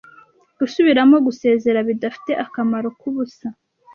gusubiramo gusezera bidafite akamaro kubusa